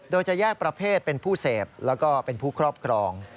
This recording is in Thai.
โดยจะแยกประเภทเป็นผู้เสพแล้วก็เป็นผู้ครอบครอง